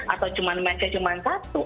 atau cuma match nya cuma satu